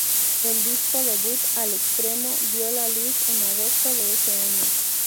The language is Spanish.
El disco debut "Al Extremo" vio la luz en agosto de ese año.